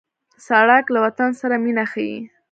سړک له وطن سره مینه ښيي.